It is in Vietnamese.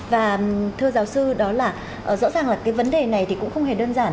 và thưa giáo sư đó là rõ ràng là cái vấn đề này thì cũng không hề đơn giản